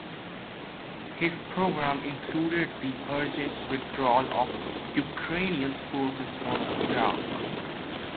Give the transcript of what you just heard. His program included the urgent withdrawal of Ukrainian forces from Iraq.